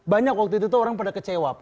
banyak waktu itu tuh orang pada kecewa